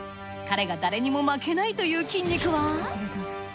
彼が誰にも負けないという筋肉は。